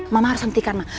mama harus hentikan mah